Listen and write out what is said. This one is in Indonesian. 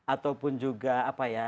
ataupun juga apa ya